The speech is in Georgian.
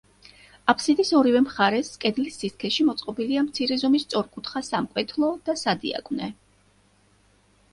აფსიდის ორივე მხარეს, კედლის სისქეში, მოწყობილია მცირე ზომის სწორკუთხა სამკვეთლო და სადიაკვნე.